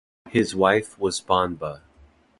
His wife was Banba.